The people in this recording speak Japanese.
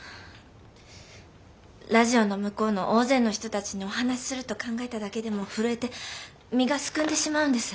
ラジオの向こうの大勢の人たちにお話しすると考えただけでも震えて身がすくんでしまうんです。